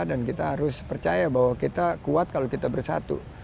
dan kita harus percaya bahwa kita kuat kalau kita bersatu